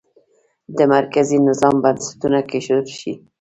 د مرکزي نظام بنسټونه کېښودل شي.